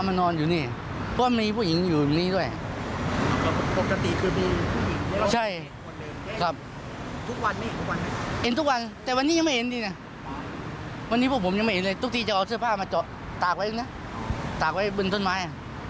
ตอนนี้ผมยังไม่เห็นเลยทุกทีจะเอาเสื้อผ้ามาจอกตากไว้เนี่ยตากไว้บึงต้นไม้